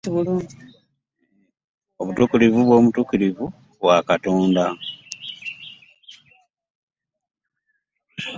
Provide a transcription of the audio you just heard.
Obutukirivu bw'omutikirivu was katonda .